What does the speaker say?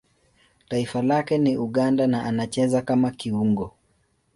Taifa lake ni Uganda na anacheza kama kiungo.